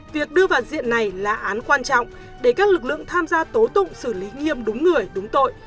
việc đưa vào diện này là án quan trọng để các lực lượng tham gia tố tụng xử lý nghiêm đúng người đúng tội